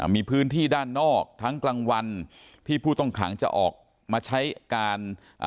มีพื้นที่ด้านนอกทั้งกลางวันที่ผู้ต้องขังจะออกมาใช้การ